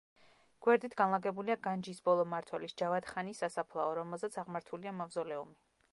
გვერდით განლაგებულია განჯის ბოლო მმართველის ჯავად ხანის სასაფლაო, რომელზეც აღმართულია მავზოლეუმი.